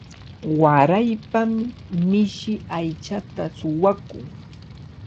Waraypami mishi aychata suwakun.